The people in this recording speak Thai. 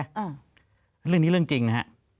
เรื่องนี้เรื่องจริงนะฮะ